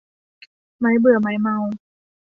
ไม้เบื่อไม้เมา